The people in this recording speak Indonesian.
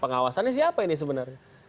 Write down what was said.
pengawasannya siapa ini sebenarnya